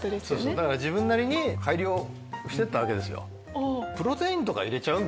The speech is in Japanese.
だから自分なりに改良してったわけですよ。